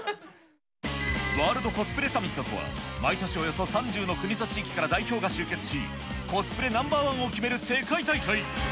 ワールドコスプレサミットとは、毎年およそ３０の国と地域から代表が集結し、コスプレナンバー１を決める世界大会。